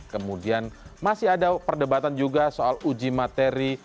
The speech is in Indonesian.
kemudian masih ada perdebatan juga soal uji materi